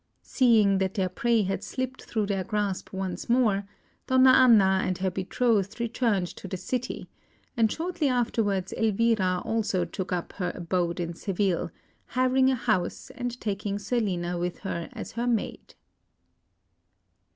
Seeing that their prey had slipped through their grasp once more, Donna Anna and her betrothed returned to the city; and shortly afterwards Elvira also took up her abode in Seville, hiring a house, and taking Zerlina with her as her maid.